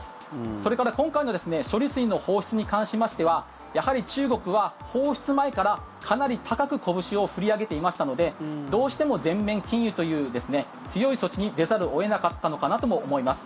それから今回の処理水の放出に関しましてはやはり中国は放出前からかなり高くこぶしを振り上げていましたのでどうしても全面禁輸という強い措置に出ざるを得なかったのかなとも思います。